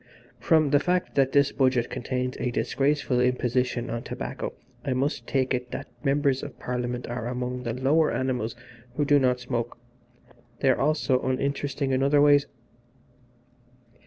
From the fact that this Budget contains a disgraceful imposition on tobacco I must take it that Members of Parliament are among the lower animals who do not smoke they are also uninteresting in other ways."